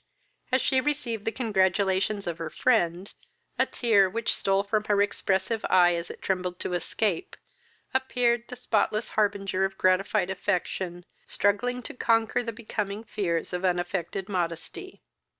As she received the congratulations of her friends, a tear, which stole from her expressive eye as it trembled to escape, appeared to spotless harbinger of gratified affection, struggling to conquer the becoming fears of unaffected modesty.